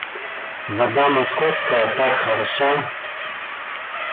Вода московская так хороша.